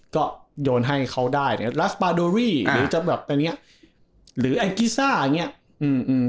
ก็โยนให้เขาได้หรือจะแบบอันเงี้ยหรืออันกิซ่าอันเงี้ยอืมอืม